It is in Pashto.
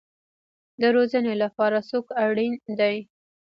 د روزنې لپاره څوک اړین دی؟